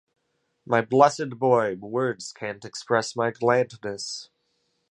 My blessed boy, words can't express my gladness.